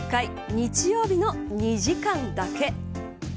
日曜日の２時間だけ。